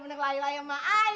bener lai lai emang ayah